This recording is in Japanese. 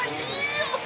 よし！